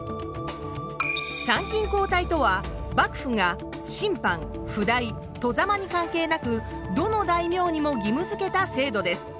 参勤交代とは幕府が親藩譜代外様に関係なくどの大名にも義務づけた制度です。